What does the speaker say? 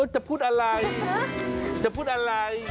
จะพูดอะไรจะพูดอะไร